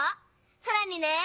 さらにね！